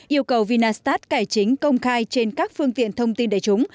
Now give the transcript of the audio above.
yêu cầu vinastat cải chính công khai trên các phương tiện thông tin đại chúng